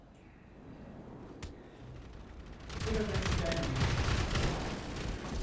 Burada istenmiyorsun.